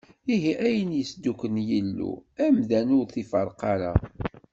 Ihi ayen i yesdukel Yillu, amdan ur t-iferreq ara!